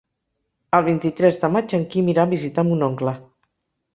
El vint-i-tres de maig en Quim irà a visitar mon oncle.